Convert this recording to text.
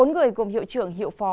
bốn người gồm hiệu trưởng hiệu phó